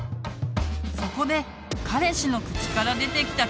そこで彼氏の口から出てきた